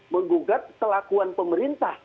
menggugat kelakuan pemerintah